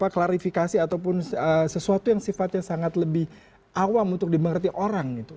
klarifikasi ataupun sesuatu yang sifatnya sangat lebih awam untuk dimengerti orang gitu